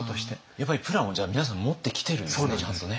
やっぱりプランをじゃあ皆さん持ってきてるんですねちゃんとね。